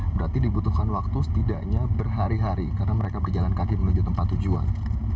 berarti dibutuhkan waktu setidaknya berhari hari karena mereka berjalan kaki menuju tempat tujuan